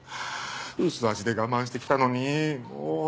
薄味で我慢してきたのにもう。